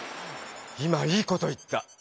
今いいこと言った。